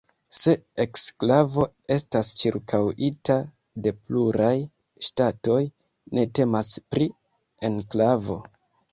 Se eksklavo estas ĉirkaŭita de pluraj ŝtatoj, ne temas pri enklavo.